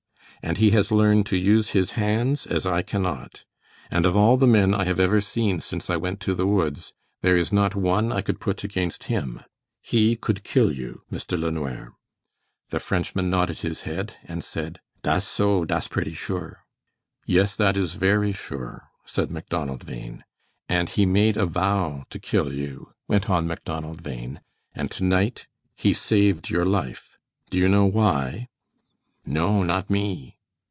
"And he has learned to use his hands as I cannot. And of all the men I have ever seen since I went to the woods, there is not one I could put against him. He could kill you, Mr. LeNoir." The Frenchman nodded his head and said: "Das so. Das pretty sure." "Yes, that is very sure," said Macdonald Bhain. "And he made a vow to kill you," went on Macdonald Bhain, "and to night he saved your life. Do you know why?" "No, not me."